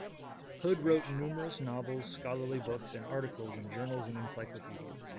Hood wrote numerous novels, scholarly books and articles in journals and encyclopedias.